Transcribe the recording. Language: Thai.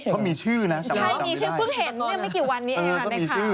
เขามีชื่อน่ะซีนพากรนั่น